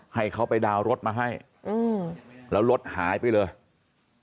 ให้เขาไปดาวน์รถมาให้อืมแล้วรถหายไปเลย